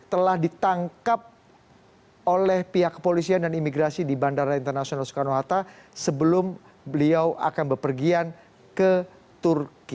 telah ditangkap oleh pihak kepolisian dan imigrasi di bandara internasional soekarno hatta sebelum beliau akan berpergian ke turki